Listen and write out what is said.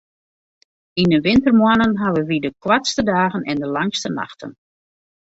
Yn 'e wintermoannen hawwe wy de koartste dagen en de langste nachten.